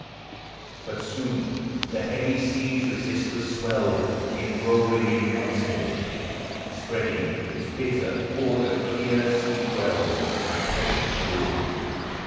But soon the heavy sea's resistless swell Came rolling in once more, Spreading its bitter o'er the clear sweet well And pebbled shore.